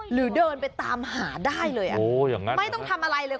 หรือเดินไปตามหาได้เลยไม่ต้องทำอะไรเลย